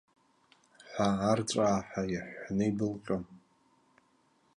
Ҳәа, арҵәааҳәа иҳәҳәаны, идәылҟьон.